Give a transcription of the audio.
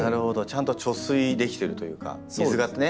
ちゃんと貯水できてるというか水がね。